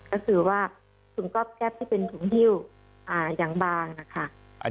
ก็คือว่าถุงขอบแก๊ปที่เป็นทุ่งฮิ้วอย่างบาง